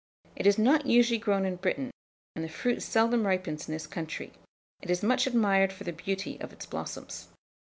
It is not usually grown in Britain, and the fruit seldom ripens in this country: it is much admired for the beauty of its blossoms.